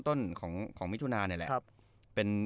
ต้นของมิถุนานี่แหละ